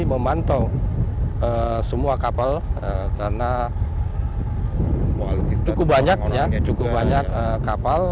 memantau semua kapal karena cukup banyak kapal